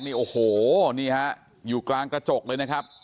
นี่โอ้โหนี่ฮะอยู่กลางกระจกเลยนะครับ